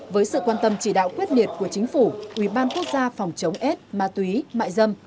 với sự quan tâm chỉ đạo quyết liệt của chính phủ ubnd quốc gia phòng chống ết ma túy mại dâm